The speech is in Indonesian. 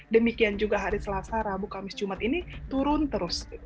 demikian juga hari selasa rabu kamis jumat ini turun terus